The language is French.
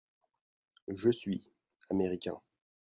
Je suis (américain).